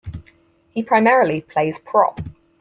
He primarily plays prop.